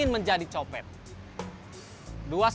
kampus kondisi medan